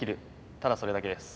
ただそれだけです。